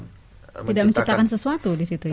tidak menciptakan sesuatu disitu ya